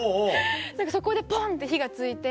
そこでポン！って火が付いて。